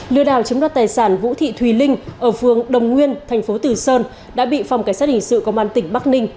lừa đảo chiếm đoạt tài sản vũ thị thùy linh ở phường đồng nguyên thành phố từ sơn đã bị phòng cảnh sát hình sự công an tỉnh bắc ninh